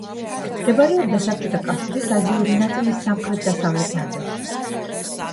მდებარეობდა საბჭოთა კავშირის აზიური ნაწილის სამხრეთ-დასავლეთ ნაწილში.